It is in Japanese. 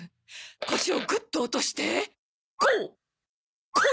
腰をグッと落としてこう！